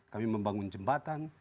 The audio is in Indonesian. kami membangun jembatan